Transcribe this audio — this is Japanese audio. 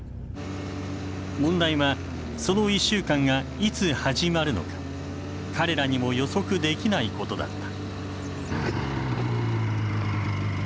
問題はその１週間がいつ始まるのか彼らにも予測できないことだった。